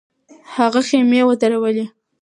هغه خېمې ودرولې.